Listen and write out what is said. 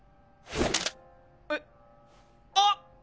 えっあっ！